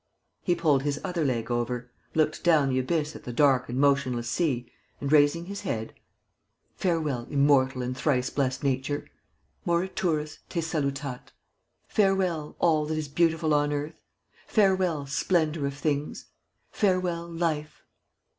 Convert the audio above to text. ..." He pulled his other leg over, looked down the abyss at the dark and motionless sea and, raising his head: "Farewell, immortal and thrice blessed nature! Moriturus te salutat! Farewell, all that is beautiful on earth! Farewell, splendor of things. Farewell, life!"